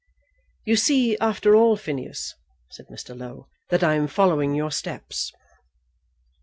"You see, after all, Phineas," said Mr. Low, "that I am following your steps."